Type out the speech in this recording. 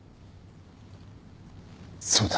そうだ。